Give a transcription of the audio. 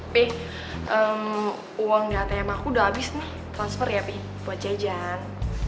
pi uang di atm aku udah abis nih transfer ya pi buat jajan